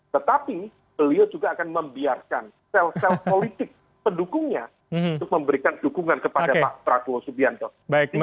tetapi beliau juga akan membiarkan sel sel politik pendukungnya untuk memberikan dukungan kepada pak prabowo subianto